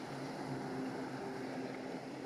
এটা একটি neurotoxin, methamphetamine.